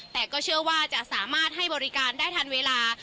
แต่ก็เชื่อว่าจะสามารถให้บริการได้ทันเวลา